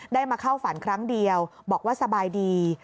มาเข้าฝันครั้งเดียวบอกว่าสบายดี